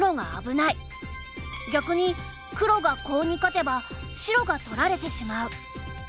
逆に黒がコウに勝てば白が取られてしまう。